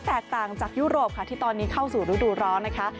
แตกต่างจากยุโรปค่ะที่ตอนนี้เข้าสู่ฤดูร้อนนะคะ